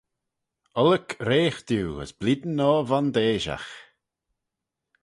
Ollick reagh diu as blein noa vondeishagh.